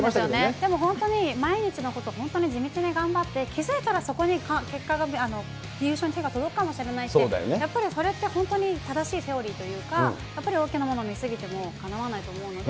でも本当に、毎日のこと、地道に頑張って、気付いたらそこに結果が、優勝に手が届くかもしれないって、やっぱりそれって、本当に正しいセオリーというか、やっぱり大きなもの見すぎてもかなわないと思うので。